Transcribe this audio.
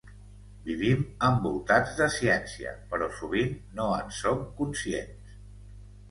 Vivim envoltats de ciència, però sovint no en som conscients.